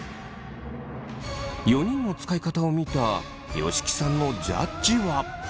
４人の使い方を見た吉木さんのジャッジは？